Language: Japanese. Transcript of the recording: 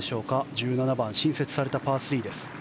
１７番、新設されたパー３です。